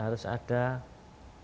harus ada terjemahan lagi